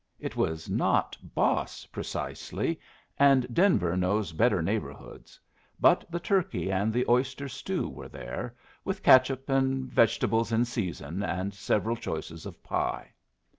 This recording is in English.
It was not boss, precisely, and Denver knows better neighborhoods; but the turkey and the oyster stew were there, with catsup and vegetables in season, and several choices of pie.